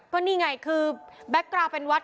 ก็นี่ไงคือแบ็คกราวเป็นวัด